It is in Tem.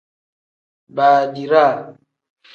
Baadiraa.